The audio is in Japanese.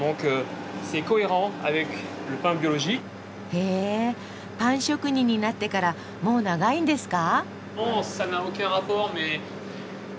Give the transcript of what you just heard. へえパン職人になってからもう長いんですか？